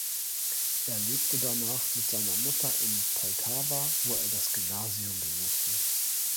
Er lebte danach mit seiner Mutter in Poltawa, wo er das Gymnasium besuchte.